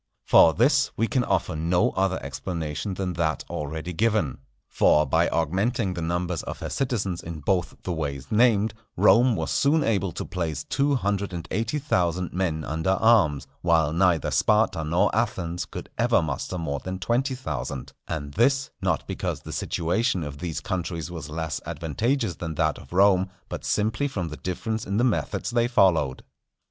For this we can offer no other explanation than that already given. For by augmenting the numbers of her citizens in both the ways named, Rome was soon able to place two hundred and eighty thousand men under arms; while neither Sparta nor Athens could ever muster more than twenty thousand; and this, not because the situation of these countries was less advantageous than that of Rome, but simply from the difference in the methods they followed.